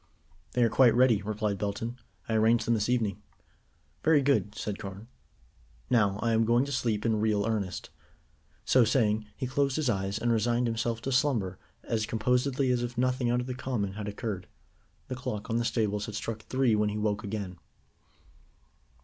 "They are quite ready," replied Belton. "I arranged them this evening." "Very good," said Carne. "Now, I am going to sleep in real earnest." So saying, he closed his eyes, and resigned himself to slumber as composedly as if nothing out of the common had occurred. The clock on the stables had struck three when he woke again.